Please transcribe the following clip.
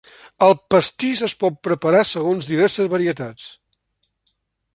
El pastís es pot preparar segons diverses varietats.